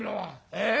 「ええ？